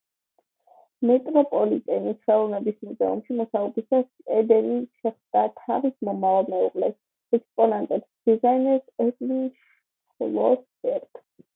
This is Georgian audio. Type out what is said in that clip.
მეტროპოლიტენის ხელოვნების მუზეუმში მუშაობისას კენედი შეხვდა თავის მომავალ მეუღლეს, ექსპონატების დიზაინერ ედვინ შლოსბერგს.